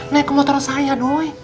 naik ke motor saya doy